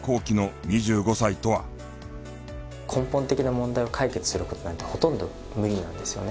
根本的な問題を解決する事なんてほとんど無理なんですよね。